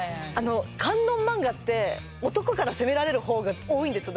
官能漫画って男から攻められる方が多いんですよ